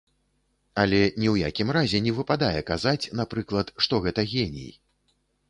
Але ні ў якім разе не выпадае казаць, напрыклад, што гэта геній.